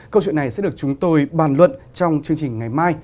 câu chuyện này sẽ được chúng tôi bàn luận trong chương trình ngày mai